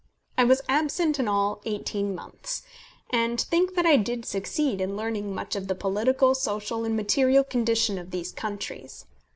I was absent in all eighteen months, and think that I did succeed in learning much of the political, social, and material condition of these countries.